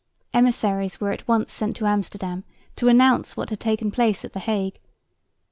Emissaries were at once sent to Amsterdam to announce what had taken place at the Hague.